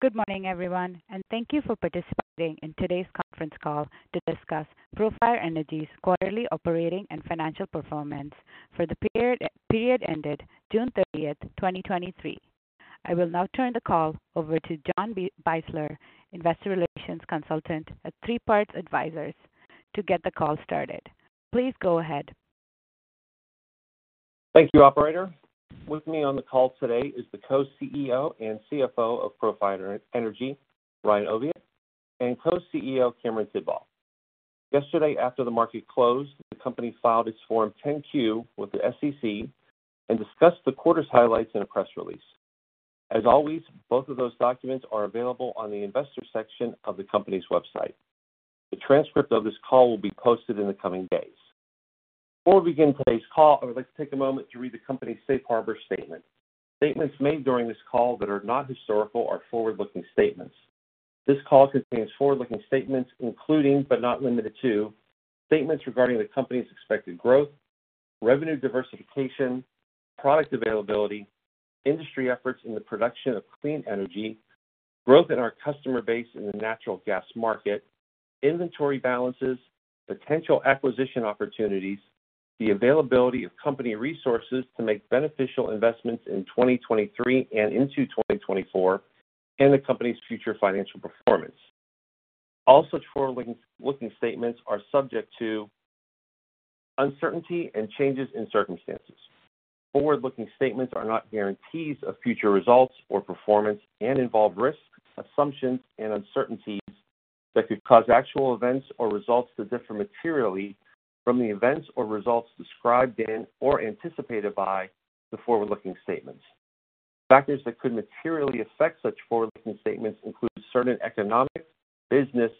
Good morning, everyone, and thank you for participating in today's conference call to discuss Profire Energy's quarterly operating and financial performance for the period ended June 30, 2023. I will now turn the call over to John Beisler, Investor Relations Consultant at Three Part Advisors, to get the call started. Please go ahead. Thank you, operator. With me on the call today is the Co-CEO and CFO of Profire Energy, Ryan Oviatt, and Co-CEO, Cameron Tidball. Yesterday, after the market closed, the company filed its Form 10-Q with the SEC and discussed the quarter's highlights in a press release. As always, both of those documents are available on the investor section of the company's website. The transcript of this call will be posted in the coming days. Before we begin today's call, I would like to take a moment to read the company's safe harbor statement. Statements made during this call that are not historical are forward-looking statements. This call contains forward-looking statements, including, but not limited to, statements regarding the company's expected growth, revenue diversification, product availability, industry efforts in the production of clean energy, growth in our customer base in the natural gas market, inventory balances, potential acquisition opportunities, the availability of company resources to make beneficial investments in 2023 and into 2024, and the company's future financial performance. All such forward-looking statements are subject to uncertainty and changes in circumstances. Forward-looking statements are not guarantees of future results or performance and involve risks, assumptions, and uncertainties that could cause actual events or results to differ materially from the events or results described in or anticipated by the forward-looking statements. Factors that could materially affect such forward-looking statements include certain economic, business,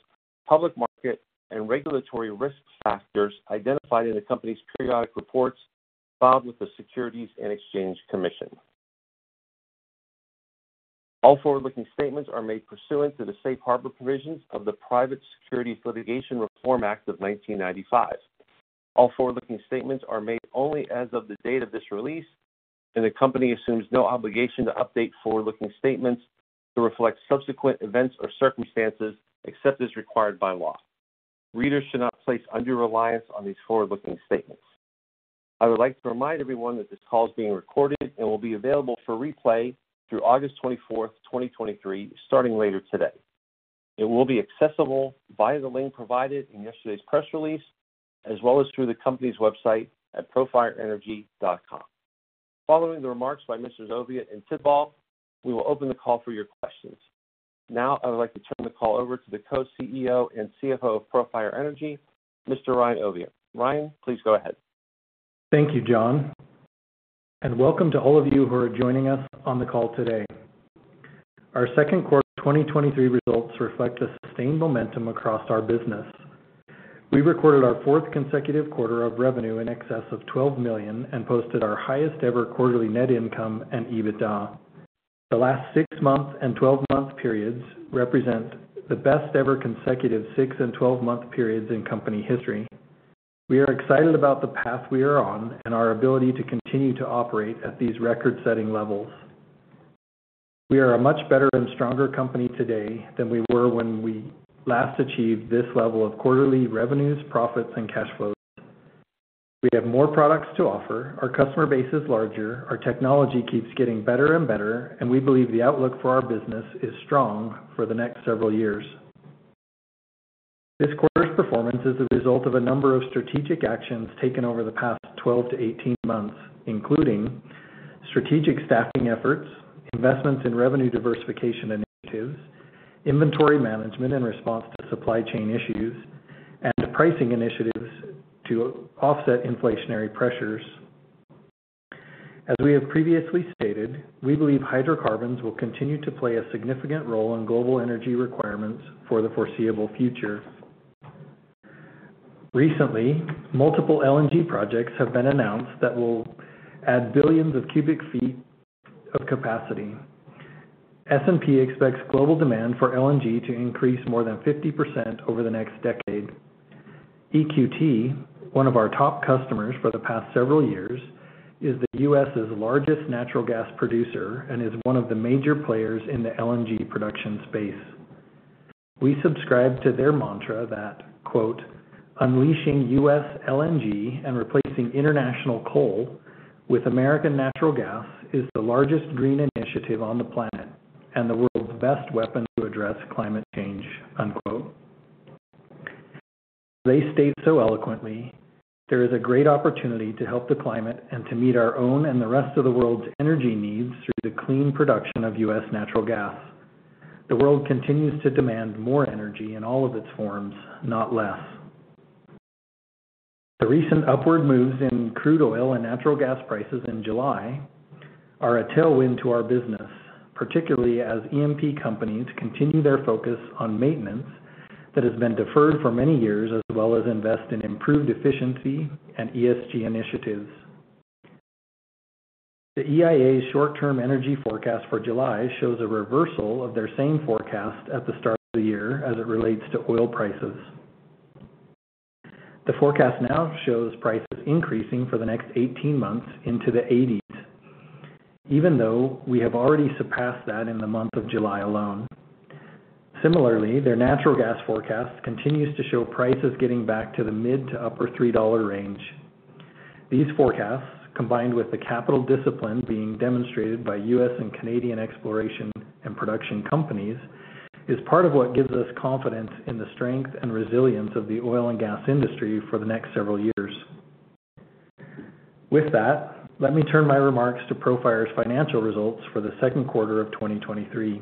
public market, and regulatory risk factors identified in the company's periodic reports filed with the Securities and Exchange Commission. All forward-looking statements are made pursuant to the Safe Harbor provisions of the Private Securities Litigation Reform Act of 1995. All forward-looking statements are made only as of the date of this release, and the company assumes no obligation to update forward-looking statements to reflect subsequent events or circumstances except as required by law. Readers should not place undue reliance on these forward-looking statements. I would like to remind everyone that this call is being recorded and will be available for replay through August 24, 2023, starting later today. It will be accessible via the link provided in yesterday's press release, as well as through the company's website at profireenergy.com. Following the remarks by Messrs. Oviatt and Tidball, we will open the call for your questions. Now, I would like to turn the call over to the Co-CEO and CFO of Profire Energy, Mr. Ryan Oviatt. Ryan, please go ahead. Thank you, John, and welcome to all of you who are joining us on the call today. Our second quarter 2023 results reflect a sustained momentum across our business. We recorded our fourth consecutive quarter of revenue in excess of $12 million and posted our highest-ever quarterly net income and EBITDA. The last six-month and 12-month periods represent the best-ever consecutive six and 12-month periods in company history. We are excited about the path we are on and our ability to continue to operate at these record-setting levels. We are a much better and stronger company today than we were when we last achieved this level of quarterly revenues, profits, and cash flows. We have more products to offer, our customer base is larger, our technology keeps getting better and better, and we believe the outlook for our business is strong for the next several years. This quarter's performance is a result of a number of strategic actions taken over the past 12 months-18 months, including strategic staffing efforts, investments in revenue diversification initiatives, inventory management in response to supply chain issues, and pricing initiatives to offset inflationary pressures. As we have previously stated, we believe hydrocarbons will continue to play a significant role in global energy requirements for the foreseeable future. Recently, multiple LNG projects have been announced that will add billions of cu ft of capacity. S&P expects global demand for LNG to increase more than 50% over the next decade. EQT, one of our top customers for the past several years, is the U.S.' largest natural gas producer and is one of the major players in the LNG production space. We subscribe to their mantra that, quote, "Unleashing U.S. LNG and replacing international coal with American natural gas is the largest green initiative on the planet and the world's best weapon to address climate change." Unquote. They state so eloquently, There is a great opportunity to help the climate and to meet our own and the rest of the world's energy needs through the clean production of U.S. natural gas. The world continues to demand more energy in all of its forms, not less. The recent upward moves in crude oil and natural gas prices in July are a tailwind to our business, particularly as E&P companies continue their focus on maintenance that has been deferred for many years, as well as invest in improved efficiency and ESG initiatives. The EIA's short-term energy forecast for July shows a reversal of their same forecast at the start of the year as it relates to oil prices. The forecast now shows prices increasing for the next 18 months into the $80s, even though we have already surpassed that in the month of July alone. Similarly, their natural gas forecast continues to show prices getting back to the mid to upper $3 range. These forecasts, combined with the capital discipline being demonstrated by U.S. and Canadian exploration and production companies, is part of what gives us confidence in the strength and resilience of the oil and gas industry for the next several years. With that, let me turn my remarks to Profire's financial results for the second quarter of 2023.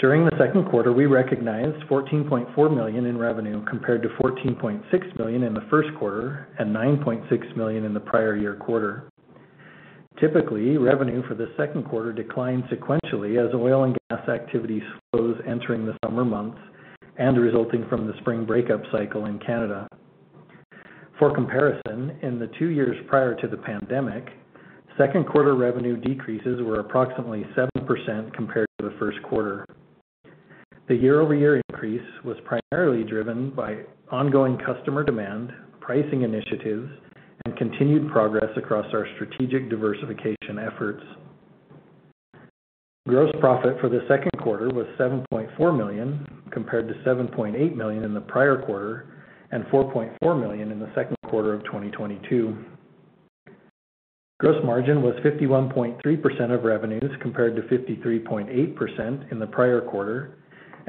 During the second quarter, we recognized $14.4 million in revenue, compared to $14.6 million in the first quarter and $9.6 million in the prior year quarter. Typically, revenue for the second quarter declined sequentially as oil and gas activity slows entering the summer months and resulting from the spring breakup cycle in Canada. For comparison, in the two years prior to the pandemic, second quarter revenue decreases were approximately 7% compared to the first quarter. The year-over-year increase was primarily driven by ongoing customer demand, pricing initiatives, and continued progress across our strategic diversification efforts. Gross profit for the second quarter was $7.4 million, compared to $7.8 million in the prior quarter and $4.4 million in the second quarter of 2022. Gross margin was 51.3% of revenues, compared to 53.8% in the prior quarter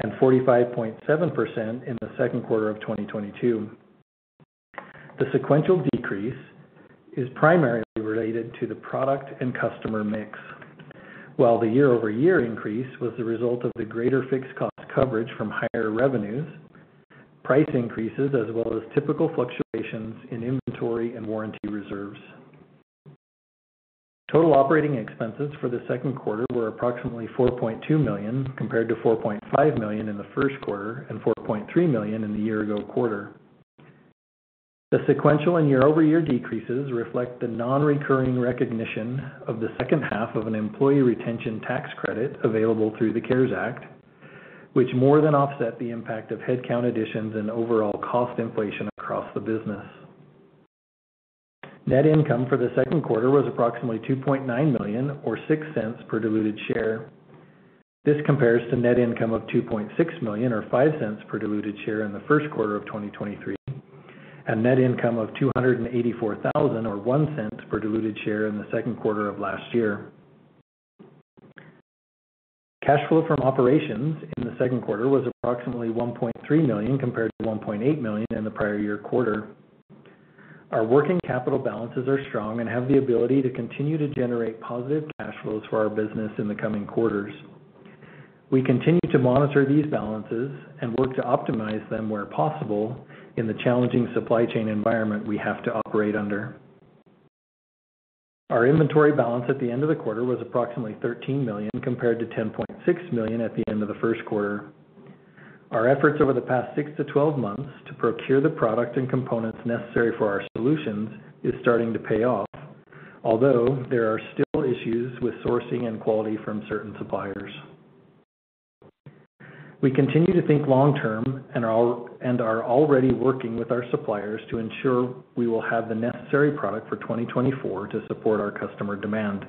and 45.7% in the second quarter of 2022. The sequential decrease is primarily related to the product and customer mix, while the year-over-year increase was the result of the greater fixed cost coverage from higher revenues, price increases, as well as typical fluctuations in inventory and warranty reserves. Total operating expenses for the second quarter were approximately $4.2 million, compared to $4.5 million in the first quarter and $4.3 million in the year-ago quarter. The sequential and year-over-year decreases reflect the non-recurring recognition of the second half of an employee retention tax credit available through the CARES Act, which more than offset the impact of headcount additions and overall cost inflation across the business. Net income for the second quarter was approximately $2.9 million, or $0.06 per diluted share. This compares to net income of $2.6 million, or $0.05 per diluted share in the first quarter of 2023, and net income of $284,000 or $0.01 per diluted share in the second quarter of last year. Cash flow from operations in the second quarter was approximately $1.3 million, compared to $1.8 million in the prior year quarter. Our working capital balances are strong and have the ability to continue to generate positive cash flows for our business in the coming quarters. We continue to monitor these balances and work to optimize them where possible in the challenging supply chain environment we have to operate under. Our inventory balance at the end of the quarter was approximately $13 million, compared to $10.6 million at the end of the first quarter. Our efforts over the past 6 months-12 months to procure the product and components necessary for our solutions is starting to pay off, although there are still issues with sourcing and quality from certain suppliers. We continue to think long term and are already working with our suppliers to ensure we will have the necessary product for 2024 to support our customer demand.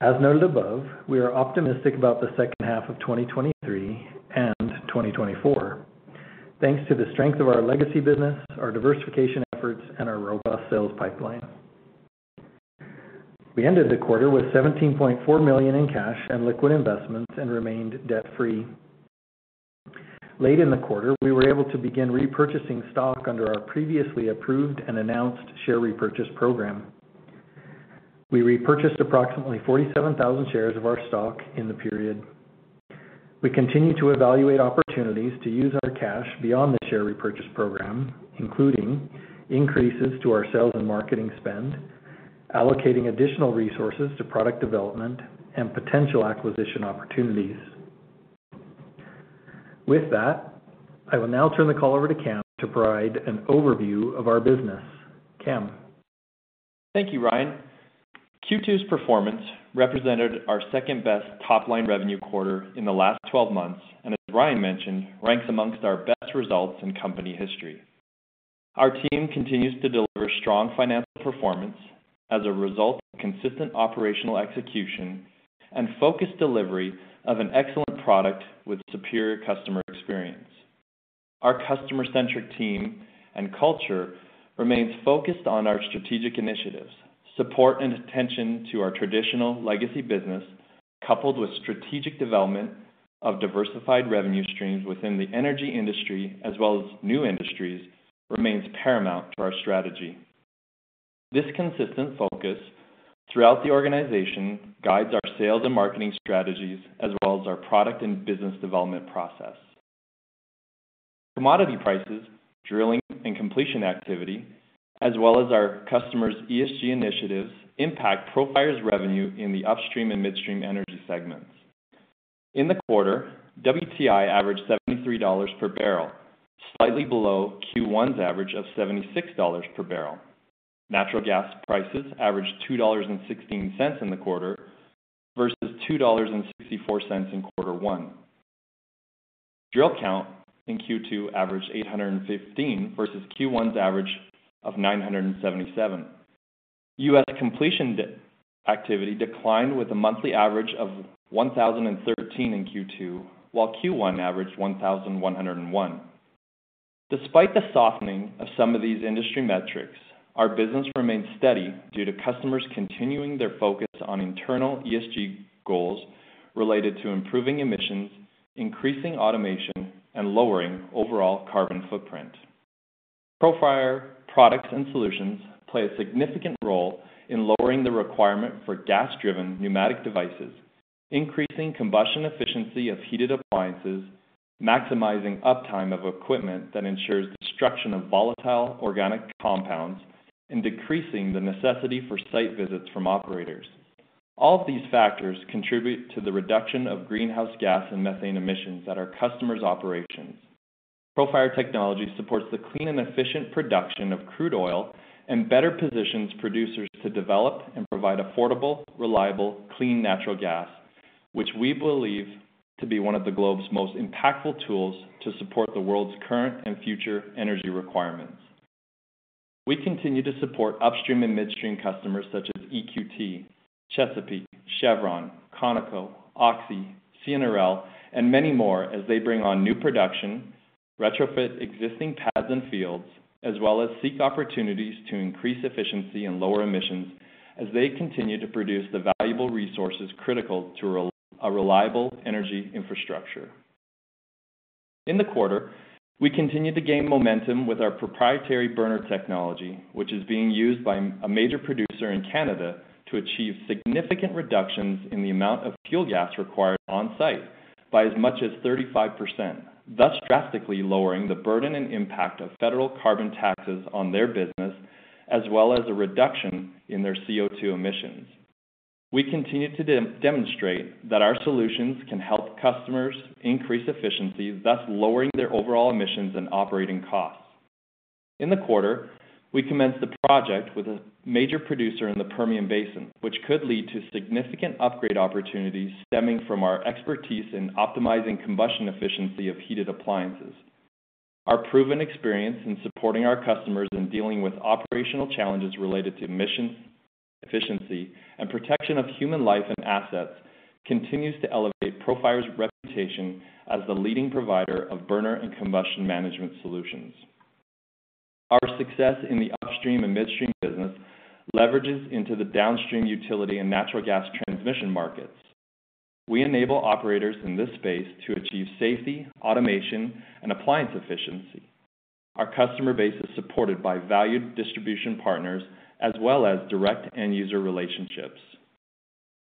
As noted above, we are optimistic about the second half of 2023 and 2024, thanks to the strength of our legacy business, our diversification efforts, and our robust sales pipeline. We ended the quarter with $17.4 million in cash and liquid investments and remained debt-free. Late in the quarter, we were able to begin repurchasing stock under our previously approved and announced share repurchase program. We repurchased approximately 47,000 shares of our stock in the period. We continue to evaluate opportunities to use our cash beyond the share repurchase program, including increases to our sales and marketing spend, allocating additional resources to product development and potential acquisition opportunities. With that, I will now turn the call over to Cam to provide an overview of our business. Cam? Thank you, Ryan. Q2's performance represented our second-best top-line revenue quarter in the last 12 months, and as Ryan mentioned, ranks amongst our best results in company history. Our team continues to deliver strong financial performance as a result of consistent operational execution and focused delivery of an excellent product with superior customer experience. Our customer-centric team and culture remains focused on our strategic initiatives, support, and attention to our traditional legacy business, coupled with strategic development of diversified revenue streams within the energy industry as well as new industries, remains paramount to our strategy. This consistent focus throughout the organization guides our sales and marketing strategies, as well as our product and business development process. Commodity prices, drilling, and completion activity, as well as our customers' ESG initiatives, impact Profire's revenue in the upstream and midstream energy segments. In the quarter, WTI averaged $73 per bbl, slightly below Q1's average of $76 per bbl. Natural gas prices averaged $2.16 in the quarter. versus $2.64 in quarter one. Drill count in Q2 averaged 815 versus Q1's average of 977. U.S. completion activity declined with a monthly average of 1,013 in Q2, while Q1 averaged 1,101. Despite the softening of some of these industry metrics, our business remains steady due to customers continuing their focus on internal ESG goals related to improving emissions, increasing automation, and lowering overall carbon footprint. Profire products and solutions play a significant role in lowering the requirement for gas-driven pneumatic devices, increasing combustion efficiency of heated appliances, maximizing uptime of equipment that ensures destruction of volatile organic compounds, and decreasing the necessity for site visits from operators. All of these factors contribute to the reduction of greenhouse gas and methane emissions at our customers' operations. Profire technology supports the clean and efficient production of crude oil and better positions producers to develop and provide affordable, reliable, clean natural gas, which we believe to be one of the globe's most impactful tools to support the world's current and future energy requirements. We continue to support upstream and midstream customers such as EQT, Chesapeake, Chevron, Conoco, Oxy, CNRL, and many more as they bring on new production, retrofit existing pads and fields, as well as seek opportunities to increase efficiency and lower emissions as they continue to produce the valuable resources critical to a reliable energy infrastructure. In the quarter, we continued to gain momentum with our proprietary burner technology, which is being used by a major producer in Canada to achieve significant reductions in the amount of fuel gas required on site by as much as 35%, thus drastically lowering the burden and impact of federal carbon taxes on their business, as well as a reduction in their CO₂ emissions. We continue to demonstrate that our solutions can help customers increase efficiency, thus lowering their overall emissions and operating costs. In the quarter, we commenced a project with a major producer in the Permian Basin, which could lead to significant upgrade opportunities stemming from our expertise in optimizing combustion efficiency of heated appliances. Our proven experience in supporting our customers in dealing with operational challenges related to emissions, efficiency, and protection of human life and assets continues to elevate Profire's reputation as the leading provider of burner and combustion management solutions. Our success in the upstream and midstream business leverages into the downstream utility and natural gas transmission markets. We enable operators in this space to achieve safety, automation, and appliance efficiency. Our customer base is supported by valued distribution partners as well as direct end user relationships.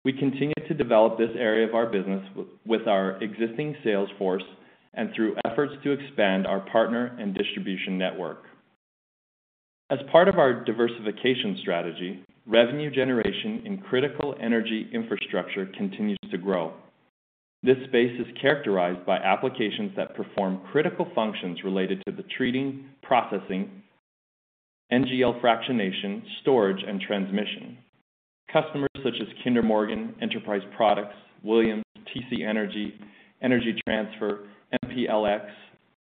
We continue to develop this area of our business with our existing sales force and through efforts to expand our partner and distribution network. As part of our diversification strategy, revenue generation in critical energy infrastructure continues to grow. This space is characterized by applications that perform critical functions related to the treating, processing, NGL fractionation, storage, and transmission. Customers such as Kinder Morgan, Enterprise Products, Williams, TC Energy, Energy Transfer, MPLX,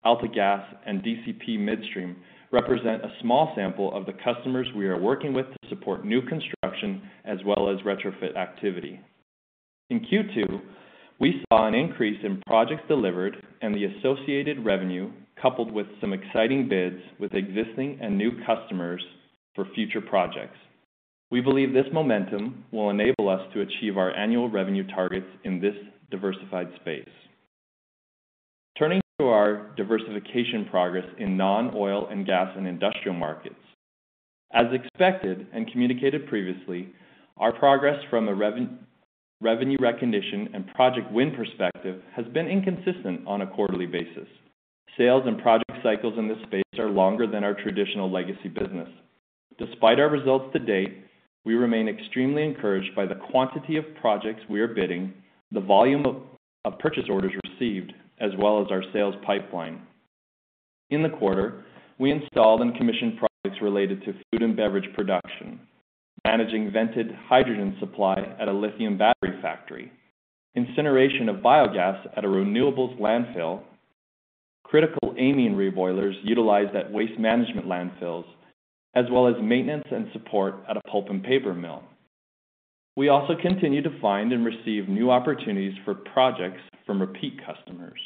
AltaGas, and DCP Midstream represent a small sample of the customers we are working with to support new construction as well as retrofit activity. In Q2, we saw an increase in projects delivered and the associated revenue, coupled with some exciting bids with existing and new customers for future projects. We believe this momentum will enable us to achieve our annual revenue targets in this diversified space. Turning to our diversification progress in non-oil and gas and industrial markets. As expected and communicated previously, our progress from a revenue recognition and project win perspective has been inconsistent on a quarterly basis. Sales and project cycles in this space are longer than our traditional legacy business. Despite our results to date, we remain extremely encouraged by the quantity of projects we are bidding, the volume of purchase orders received, as well as our sales pipeline. In the quarter, we installed and commissioned projects related to food and beverage production, managing vented hydrogen supply at a lithium battery factory, incineration of biogas at a renewables landfill, critical amine reboilers utilized at waste management landfills, as well as maintenance and support at a pulp and paper mill. We also continue to find and receive new opportunities for projects from repeat customers.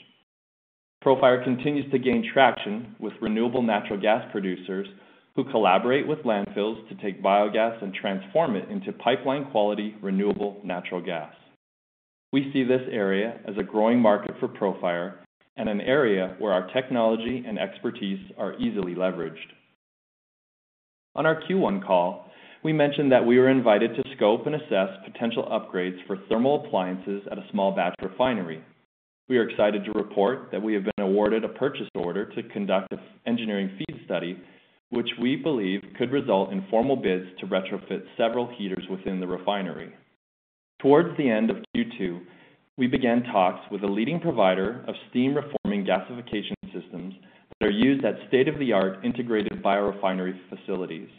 Profire continues to gain traction with renewable natural gas producers, who collaborate with landfills to take biogas and transform it into pipeline-quality, renewable natural gas. We see this area as a growing market for Profire and an area where our technology and expertise are easily leveraged. On our Q1 call, we mentioned that we were invited to scope and assess potential upgrades for thermal appliances at a small-batch refinery. We are excited to report that we have been awarded a purchase order to conduct an engineering feed study, which we believe could result in formal bids to retrofit several heaters within the refinery. Towards the end of Q2, we began talks with a leading provider of steam reforming gasification systems that are used at state-of-the-art integrated biorefinery facilities.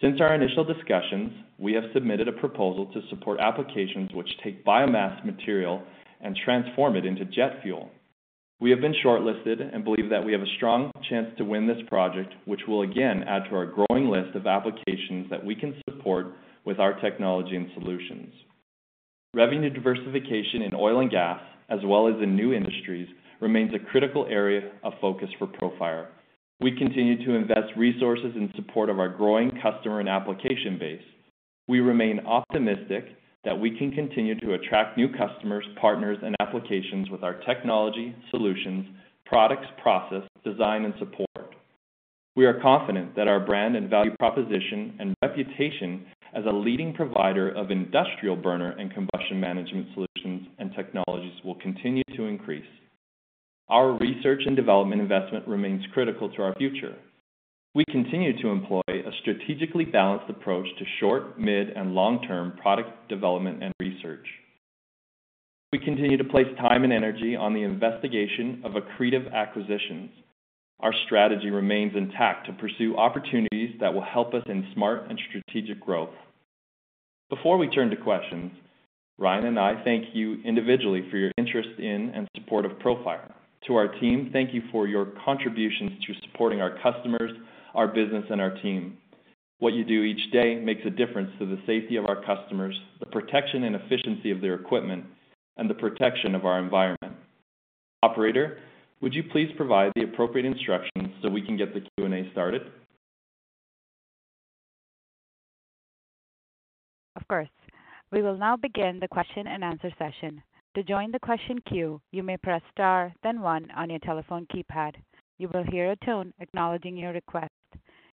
Since our initial discussions, we have submitted a proposal to support applications which take biomass material and transform it into jet fuel. We have been shortlisted and believe that we have a strong chance to win this project, which will again add to our growing list of applications that we can support with our technology and solutions. Revenue diversification in oil and gas, as well as in new industries, remains a critical area of focus for Profire. We continue to invest resources in support of our growing customer and application base. We remain optimistic that we can continue to attract new customers, partners, and applications with our technology, solutions, products, process, design, and support. We are confident that our brand and value proposition and reputation as a leading provider of industrial burner and combustion management solutions and technologies will continue to increase. Our research and development investment remains critical to our future. We continue to employ a strategically balanced approach to short, mid, and long-term product development and research. We continue to place time and energy on the investigation of accretive acquisitions. Our strategy remains intact to pursue opportunities that will help us in smart and strategic growth. Before we turn to questions, Ryan and I thank you individually for your interest in and support of Profire. To our team, thank you for your contributions through supporting our customers, our business, and our team. What you do each day makes a difference to the safety of our customers, the protection and efficiency of their equipment, and the protection of our environment. Operator, would you please provide the appropriate instructions so we can get the Q&A started? Of course. We will now begin the Q&A session. To join the question queue, you may press star, then one on your telephone keypad. You will hear a tone acknowledging your request.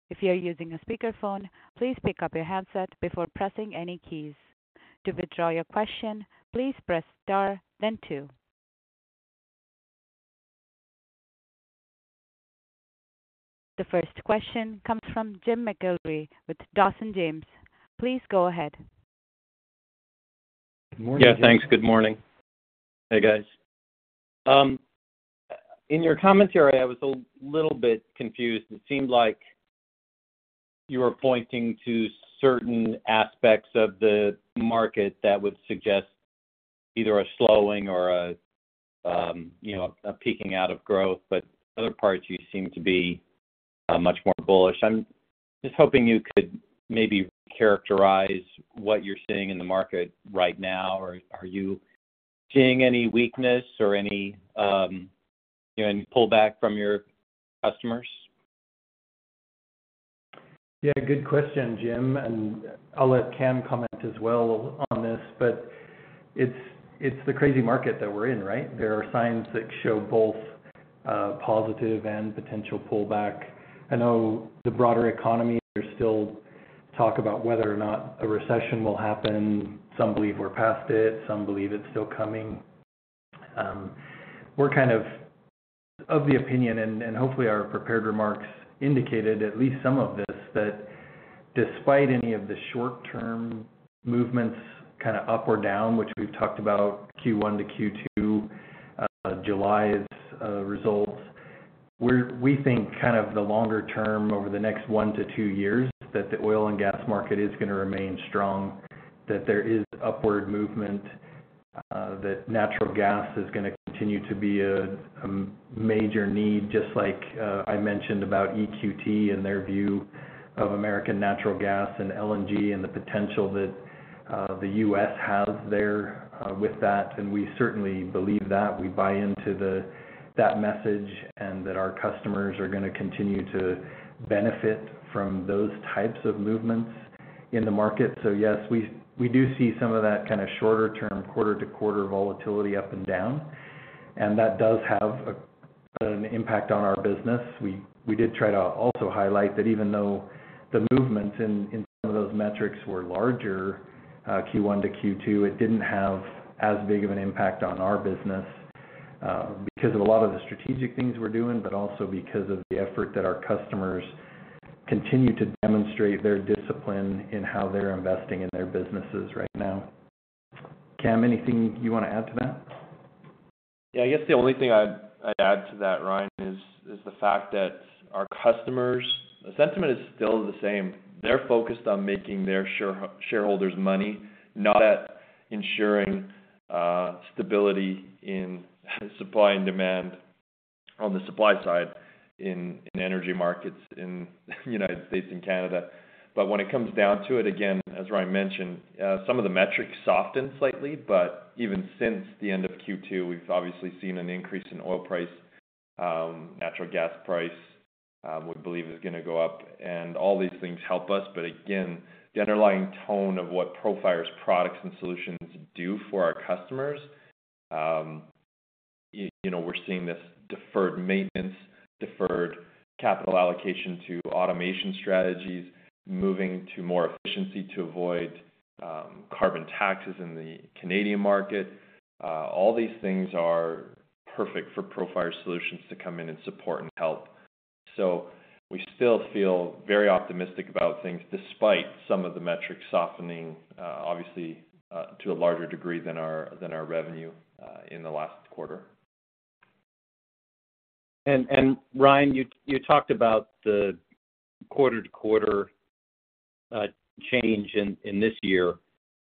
If you are using a speakerphone, please pick up your handset before pressing any keys. To withdraw your question, please press star then two. The first question comes from Jim Mcllree with Dawson James. Please go ahead. Good morning. Yeah, thanks. Good morning. Hey, guys. In your commentary, I was a little bit confused. It seemed like you were pointing to certain aspects of the market that would suggest either a slowing or a, you know, a peaking out of growth, but other parts, you seem to be much more bullish. I'm just hoping you could maybe characterize what you're seeing in the market right now, or are you seeing any weakness or any, you know, any pullback from your customers? Yeah, good question, Jim, and I'll let Cam comment as well on this, but it's, it's the crazy market that we're in, right? There are signs that show both positive and potential pullback. I know the broader economy, there's still talk about whether or not a recession will happen. Some believe we're past it, some believe it's still coming. We're kind of, of the opinion, and hopefully our prepared remarks indicated at least some of this, that despite any of the short-term movements, kind of up or down, which we've talked about, Q1 to Q2, July's results, we think kind of the longer term, over the next one year-two years, that the oil and gas market is going to remain strong, that there is upward movement, that natural gas is going to continue to be a major need, just like I mentioned about EQT and their view of American natural gas and LNG and the potential that the U.S. has there, with that. We certainly believe that. We buy into that message and that our customers are going to continue to benefit from those types of movements in the market. Yes, we, we do see some of that kind of shorter term, quarter-to-quarter volatility up and down, and that does have a, an impact on our business. We, we did try to also highlight that even though the movements in, in some of those metrics were larger, Q1-Q2, it didn't have as big of an impact on our business, because of a lot of the strategic things we're doing, but also because of the effort that our customers continue to demonstrate their discipline in how they're investing in their businesses right now. Cam, anything you want to add to that? Yeah, I guess the only thing I'd, I'd add to that, Ryan, is, is the fact that our customers, the sentiment is still the same. They're focused on making their shareholders money, not at ensuring stability in supply and demand on the supply side, in, in energy markets in United States and Canada. When it comes down to it, again, as Ryan mentioned, some of the metrics softened slightly, but even since the end of Q2, we've obviously seen an increase in oil price. Natural gas price, we believe is going to go up, and all these things help us. Again, the underlying tone of what Profire's products and solutions do for our customers, you know, we're seeing this deferred maintenance, deferred capital allocation to automation strategies, moving to more efficiency to avoid carbon taxes in the Canadian market. All these things are perfect for Profire solutions to come in and support and help. We still feel very optimistic about things, despite some of the metrics softening, obviously, to a larger degree than our, than our revenue, in the last quarter. Ryan, you, you talked about the quarter-to-quarter change in, in this year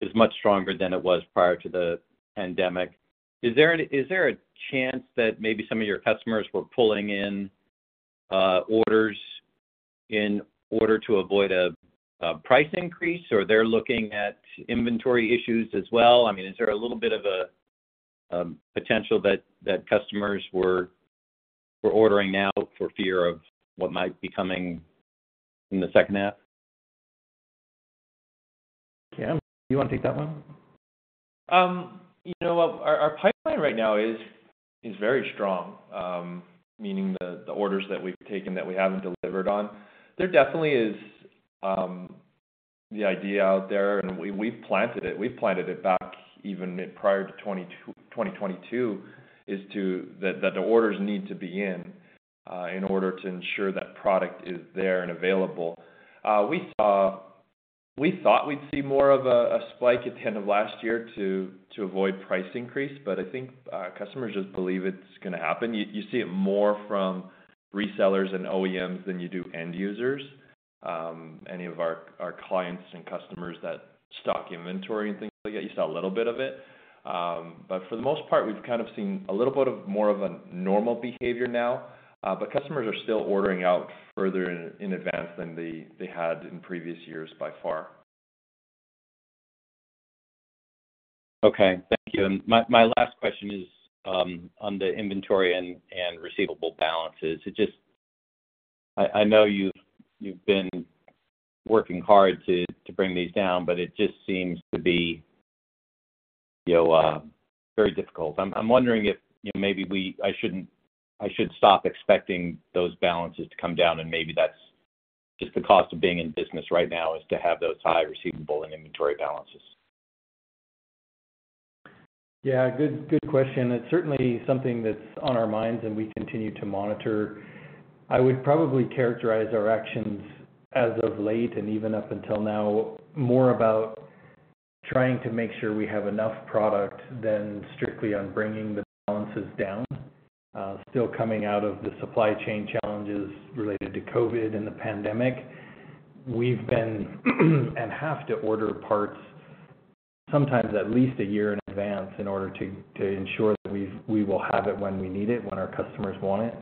is much stronger than it was prior to the pandemic. Is there an, is there a chance that maybe some of your customers were pulling in orders in order to avoid a price increase, or they're looking at inventory issues as well? I mean, is there a little bit of a potential that, that customers were, were ordering now for fear of what might be coming in the second half? Cam, do you wanna take that one? You know, our, our pipeline right now is, is very strong, meaning the, the orders that we've taken, that we haven't delivered on. There definitely is, the idea out there, and we, we've planted it. We've planted it back even mid- prior to 2022, is to. That, that the orders need to be in, in order to ensure that product is there and available. We thought we'd see more of a, a spike at the end of last year to, to avoid price increase, but I think, customers just believe it's gonna happen. You, you see it more from resellers and OEMs than you do end users. Any of our, our clients and customers that stock inventory and things like that, you saw a little bit of it. But for the most part, we've kind of seen a little bit of more of a normal behavior now. Customers are still ordering out further in, in advance than they, they had in previous years, by far. Okay. Thank you. My last question is, on the inventory and receivable balances. I know you've been working hard to bring these down, but it just seems to be, you know, very difficult. I'm wondering if, you know, maybe I should stop expecting those balances to come down, and maybe that's just the cost of being in business right now, is to have those high receivable and inventory balances. Yeah, good, good question. It's certainly something that's on our minds, and we continue to monitor. I would probably characterize our actions as of late and even up until now, more about trying to make sure we have enough product than strictly on bringing the balances down. Still coming out of the supply chain challenges related to COVID and the pandemic, we've been, and have to order parts sometimes at least one year in advance in order to ensure that we will have it when we need it, when our customers want it.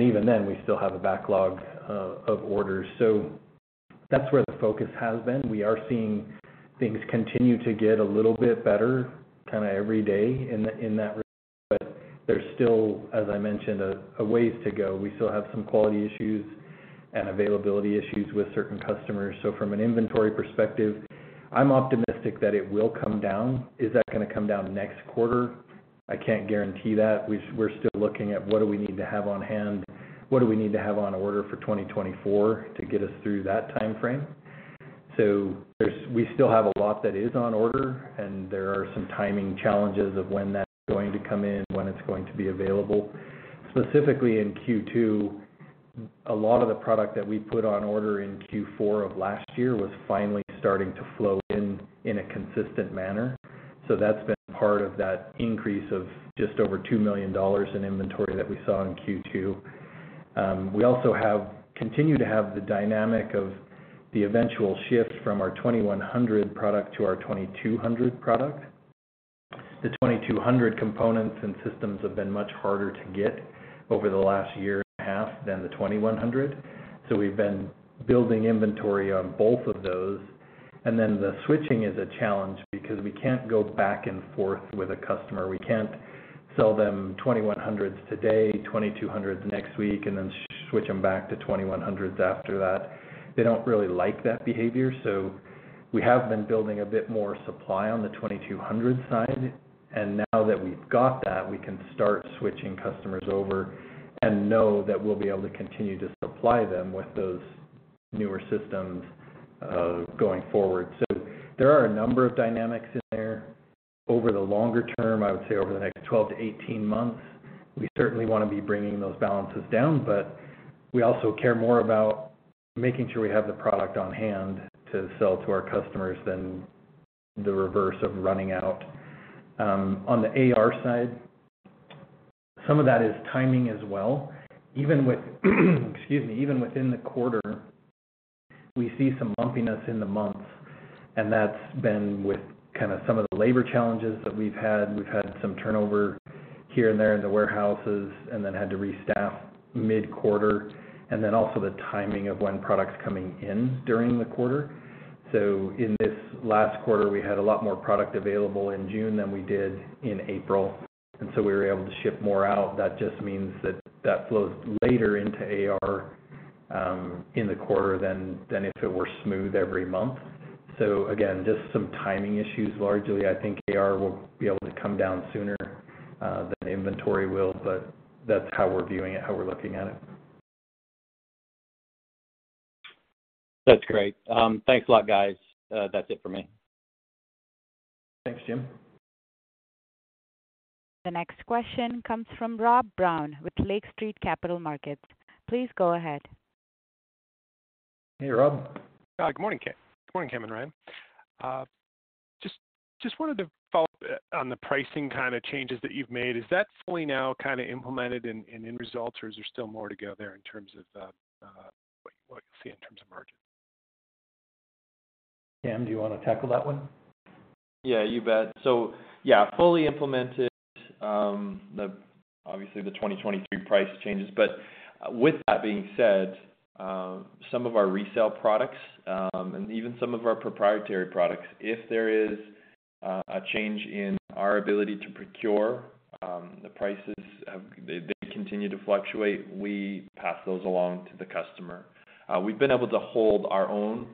Even then, we still have a backlog of orders. That's where the focus has been. We are seeing things continue to get a little bit better, kinda every day in that regard, but there's still, as I mentioned, a way to go. We still have some quality issues and availability issues with certain customers. From an inventory perspective, I'm optimistic that it will come down. Is that gonna come down next quarter? I can't guarantee that. We're still looking at what do we need to have on hand? What do we need to have on order for 2024 to get us through that timeframe? We still have a lot that is on order, and there are some timing challenges of when that's going to come in, when it's going to be available. Specifically in Q2, a lot of the product that we put on order in Q4 of last year was finally starting to flow in, in a consistent manner. That's been part of that increase of just over $2 million in inventory that we saw in Q2. We also have...continue to have the dynamic of the eventual shift from our PF2100 product to our PF2200 product. The PF2200 components and systems have been much harder to get over the last year and a half than the PF2100. We've been building inventory on both of those. The switching is a challenge because we can't go back and forth with a customer. We can't sell them PF2100s today, PF2200s next week, and then switch them back to PF2100s after that. They don't really like that behavior, so we have been building a bit more supply on the PF2200 side. Now that we've got that, we can start switching customers over and know that we'll be able to continue to supply them with those newer systems, going forward. There are a number of dynamics in there. Over the longer term, I would say over the next 12 months-18 months, we certainly wanna be bringing those balances down, but we also care more about making sure we have the product on hand to sell to our customers than the reverse of running out. On the AR side, some of that is timing as well. Even with, excuse me, even within the quarter, we see some bumpiness in the months, and that's been with kinda some of the labor challenges that we've had. We've had some turnover here and there in the warehouses and then had to restaff mid-quarter, and then also the timing of when products coming in during the quarter. In this last quarter, we had a lot more product available in June than we did in April, and so we were able to ship more out. That just means that that flows later into AR in the quarter than, than if it were smooth every month. Again, just some timing issues. Largely, I think AR will be able to come down sooner than inventory will, but that's how we're viewing it, how we're looking at it. That's great. Thanks a lot, guys. That's it for me. Thanks, Jim. The next question comes from Rob Brown with Lake Street Capital Markets. Please go ahead. Hey, Rob. Good morning, Cam. Good morning, Cam and Ryan. Just wanted to follow up on the pricing kind of changes that you've made. Is that fully now kind of implemented in, in end results, or is there still more to go there in terms of what you'll see in terms of margins? Cam, do you want to tackle that one? Yeah, you bet. Yeah, fully implemented the obviously the 2023 price changes. With that being said, some of our resale products, and even some of our proprietary products, if there is a change in our ability to procure, they continue to fluctuate, we pass those along to the customer. We've been able to hold our own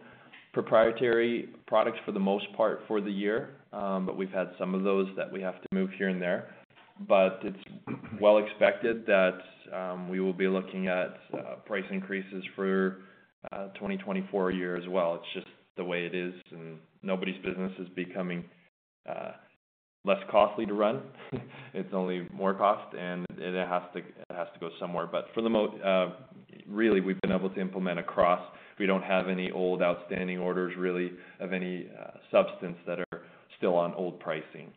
proprietary products for the most part for the year, but we've had some of those that we have to move here and there. It's well expected that we will be looking at price increases for 2024 year as well. It's just the way it is, and nobody's business is becoming less costly to run. It's only more cost, and it has to, it has to go somewhere. For the most, really, we've been able to implement across. We don't have any old outstanding orders, really, of any substance that are still on old pricing.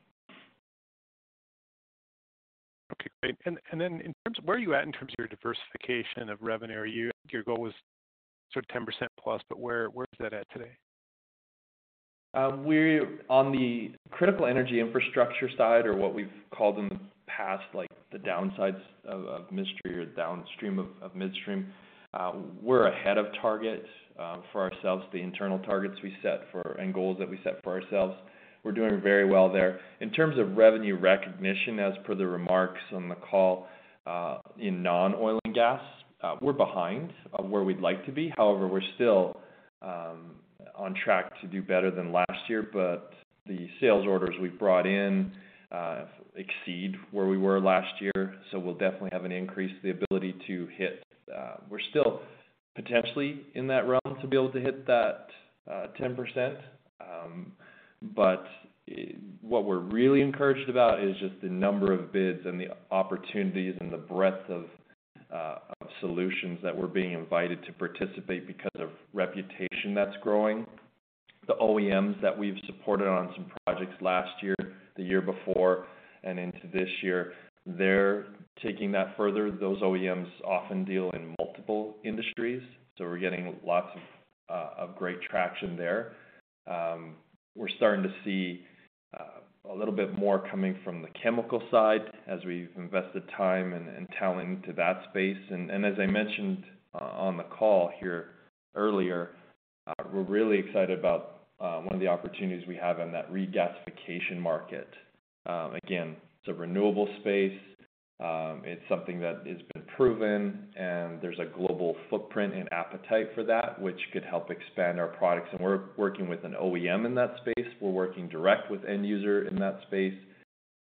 Okay, great. And then in terms of where are you at in terms of your diversification of revenue? Are you I think your goal was sort of 10% plus, but where is that at today? We're on the critical energy infrastructure side, or what we've called in the past, like the downsides of midstream or downstream of midstream. We're ahead of target for ourselves, the internal targets we set and goals that we set for ourselves. We're doing very well there. In terms of revenue recognition, as per the remarks on the call, in non-oil and gas, we're behind where we'd like to be. We're still on track to do better than last year, the sales orders we've brought in exceed where we were last year, we'll definitely have an increase the ability to hit. We're still potentially in that realm to be able to hit that 10%. What we're really encouraged about is just the number of bids and the opportunities and the breadth of solutions that we're being invited to participate because of reputation that's growing. The OEMs that we've supported on some projects last year, the year before, and into this year, they're taking that further. Those OEMs often deal in multiple industries; we're getting lots of great traction there. We're starting to see a little bit more coming from the chemical side as we've invested time and talent into that space. As I mentioned on the call here earlier, we're really excited about one of the opportunities we have in that regasification market. Again, it's a renewable space. It's something that has been proven, and there's a global footprint and appetite for that, which could help expand our products. We're working with an OEM in that space. We're working direct with end user in that space,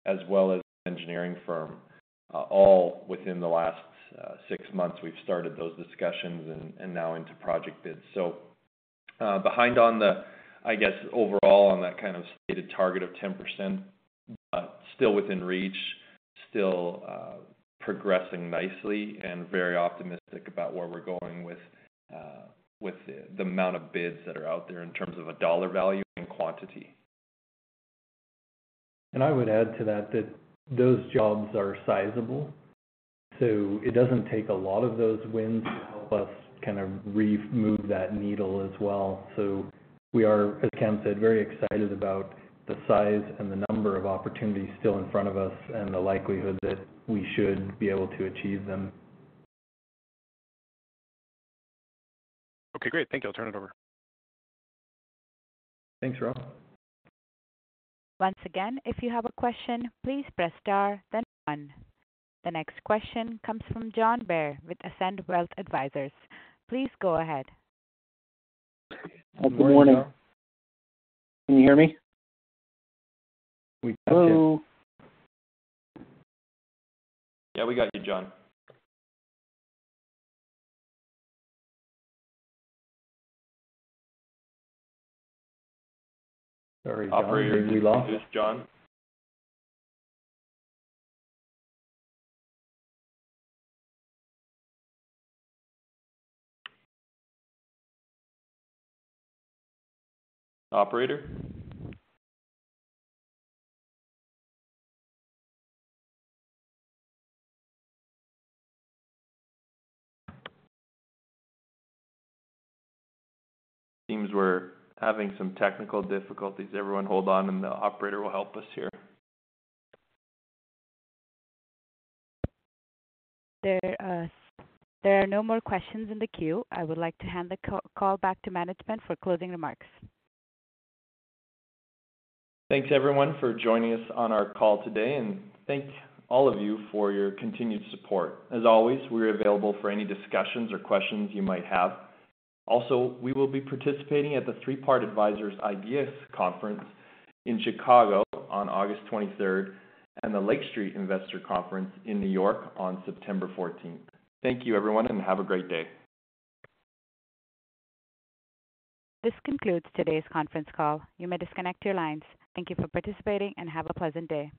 as well as an engineering firm. All within the last six months, we've started those discussions and now into project bids. Behind on the, I guess, overall on that kind of stated target of 10%, but still within reach, still progressing nicely and very optimistic about where we're going with the amount of bids that are out there in terms of a dollar value and quantity. I would add to that, that those jobs are sizable, so it doesn't take a lot of those wins to help us kind of remove that needle as well. We are, as Cam said, very excited about the size and the number of opportunities still in front of us and the likelihood that we should be able to achieve them. Okay, great. Thank you. I'll turn it over. Thanks, Rob. Once again, if you have a question, please press star, then one. The next question comes from John Bair with Ascend Wealth Advisors. Please go ahead. Good morning. Can you hear me? We do. Yeah, we got you, John. Sorry, John, did we lose you? Operator, did we lose John? Operator? It seems we're having some technical difficulties. Everyone, hold on, and the operator will help us here. There, there are no more questions in the queue. I would like to hand the call back to management for closing remarks. Thanks, everyone, for joining us on our call today, and thank all of you for your continued support. As always, we are available for any discussions or questions you might have. Also, we will be participating at the Three Part Advisors IDEAS Conference in Chicago on August 23rd, and the Lake Street Investor Conference in New York on September 14th. Thank you, everyone, and have a great day. This concludes today's conference call. You may disconnect your lines. Thank you for participating, and have a pleasant day.